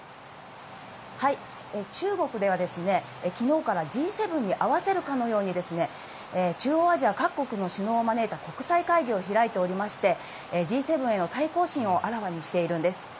中国では、きのうからＧ７に合わせるかのように、中央アジア各国の首脳を招いた国際会議を開いておりまして、Ｇ７への対抗心をあらわにしているんです。